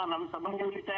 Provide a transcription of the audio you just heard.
namanya juga militer